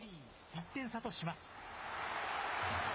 １点差とします。